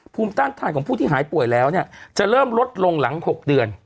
ภูมิต้านทานของผู้ที่หายป่วยแล้วเนี่ยจะเริ่มลดลงหลัง๖เดือน